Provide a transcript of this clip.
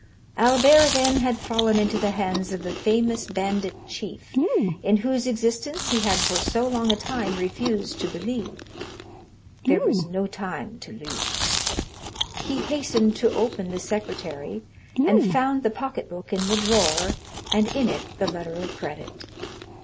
Albert, then, had fallen into the hands of the famous bandit chief, in whose existence he had for so long a time refused to believe. There was no time to lose. He hastened to open the secrétaire, and found the pocket book in the drawer, and in it the letter of credit.